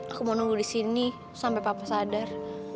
aku mau nunggu disini sampe papa sadar